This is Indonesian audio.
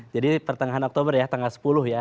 jadi pertengahan oktober ya tanggal sepuluh ya